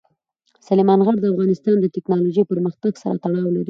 سلیمان غر د افغانستان د تکنالوژۍ پرمختګ سره تړاو لري.